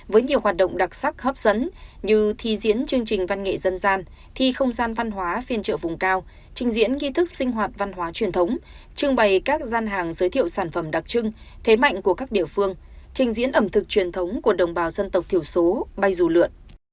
với nhiều hoạt động đặc sắc hấp dẫn như thi diễn chương trình văn nghệ dân gian thi không gian văn hóa phiên chợ vùng cao trình diễn nghi thức sinh hoạt văn hóa truyền thống trưng bày các gian hàng giới thiệu sản phẩm đặc trưng thế mạnh của các địa phương trình diễn ẩm thực truyền thống của đồng bào dân tộc thiểu số bay dù lượn